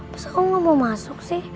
kenapa kamu tidak mau masuk